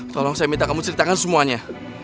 tolong saya minta kamu ceritakan semuanya